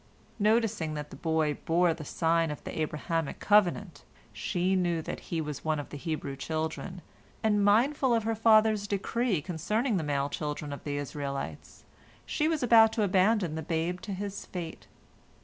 Noticing that the boy bore the sign of the Abrahamic covenant, she knew that he was one of the Hebrew children, and mindful of her father's decree concerning the male children of the Israelites, she was about to abandon the babe to his fate.